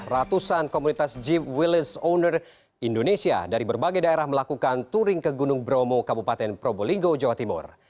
ratusan komunitas jeep willise owner indonesia dari berbagai daerah melakukan touring ke gunung bromo kabupaten probolinggo jawa timur